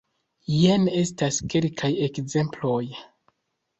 Jen estas kelkaj ekzemploj.